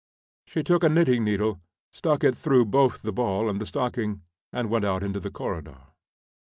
She took a knitting needle, stuck it through both the ball and the stocking, and went out into the corridor.